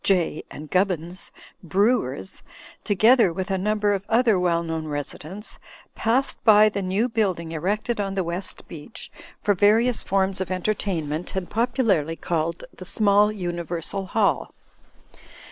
Jay and Gubbins, brewers, to gether with a number of other well known residents, passed by the new building erected on the West Beach for various forms of entertainment and popularly called the small Universal Hall.